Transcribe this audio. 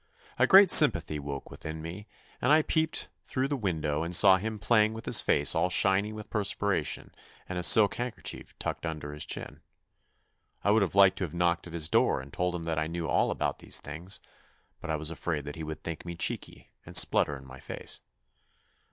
A great sympathy woke within me, and I peeped through the window and saw him playing with his face all shiny with perspiration and a silk handkerchief tucked under his chin. I would have liked to have knocked at his door and told him that I knew all about these things, but I was afraid that he would think me cheeky and splutter in my face.